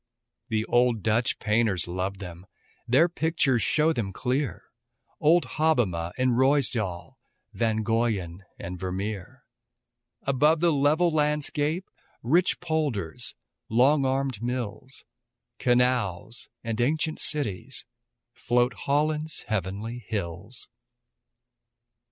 The old Dutch painters loved them, Their pictures show them clear, Old Hobbema and Ruysduel, Van Goyen and Vermeer, Above the level landscape, Rich polders, long armed mills, Canals and ancient cities, Float Holland's heavenly hills.